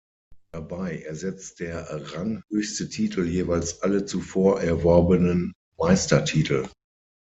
Dabei ersetzt der ranghöchste Titel jeweils alle zuvor erworbenen Meistertitel.